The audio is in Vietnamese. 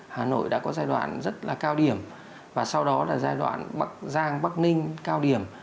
hà nội đã có giai đoạn rất là cao điểm và sau đó là giai đoạn bắc giang bắc ninh cao điểm